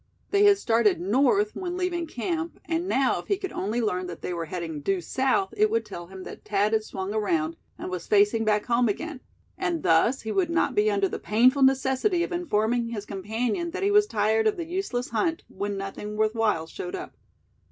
They had started north when leaving camp; and now, if he could only learn that they were heading due south, it would tell him that Thad had swung around, and was facing back home again; and thus he would not be under the painful necessity of informing his companion that he was tired of the useless hunt, when nothing worth while showed up.